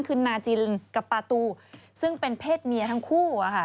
คือนาจินกับปาตูซึ่งเป็นเพศเมียทั้งคู่